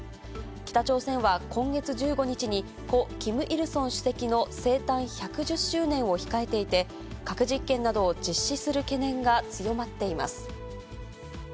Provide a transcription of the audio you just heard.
北朝鮮は今月１５日に、故・キム・イルソン主席の生誕１１０周年を控えていて、核実験などを実施する懸念が強まっています。